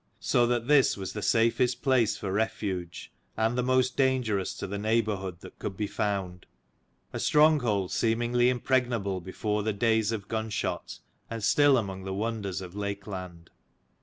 So that this was the safest place for refuge, and the most dangerous to the neigh bourhood that could be found: a stronghold 136 seemingly impregnable before the days of gunshot, and still among the wonders of Lakeland.